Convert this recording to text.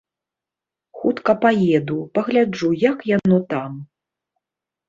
Хутка паеду, пагляджу як яно там.